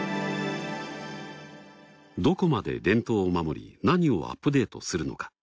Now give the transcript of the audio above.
どこまで伝統を守り何をアップデートするのか。